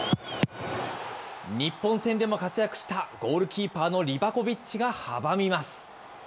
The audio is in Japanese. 日本戦でも活躍したゴールキーパーのリバコビッチが阻みます。